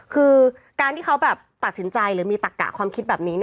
คือการที่เขาแบบตัดสินใจหรือมีตักกะความคิดแบบนี้